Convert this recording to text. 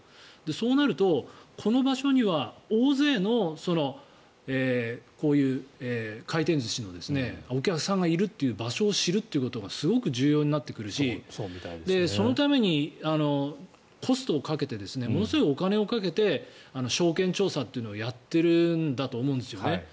そうなると、この場所には大勢の回転寿司のお客さんがいる場所を知るということがすごく重要になってくるしそのためにコストをかけてものすごいお金をかけて商圏調査というのをやっているんだと思うんですよね。